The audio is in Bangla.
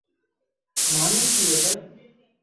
মানে কী এটার?